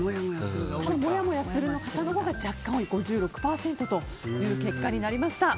もやもやするの方のほうが若干多い５６％という結果になりました。